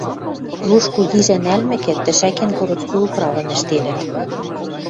Руш кугижӓ нӓлмӹкӹ, тӹшӓкен городской управым ӹштенӹт.